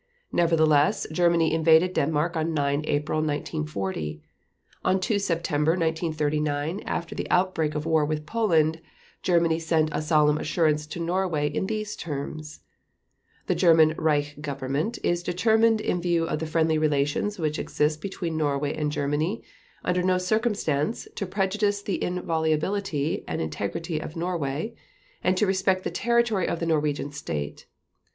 Nevertheless, Germany invaded Denmark on 9 April 1940. On 2 September 1939, after the outbreak of war with Poland, Germany sent a solemn assurance to Norway in these terms: "The German Reich Government is determined in view of the friendly relations which exist between Norway and Germany under no circumstance to prejudice the inviolability and integrity of Norway, and to respect the territory of the Norwegian State.